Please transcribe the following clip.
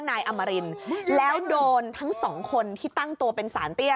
นายอมรินแล้วโดนทั้งสองคนที่ตั้งตัวเป็นสารเตี้ย